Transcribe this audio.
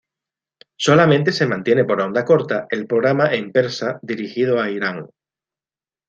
Solamente se mantiene por onda corta el programa en persa dirigido a Irán.